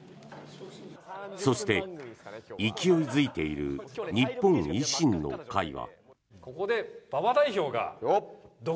そして、勢い付いている日本維新の会は。